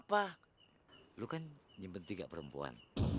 mbak lo kan nyimpen tiga perempuan